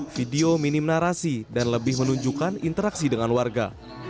video minim narasi dan lebih menunjukkan interaksi dengan warga